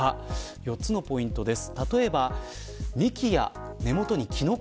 ４つのポイントです。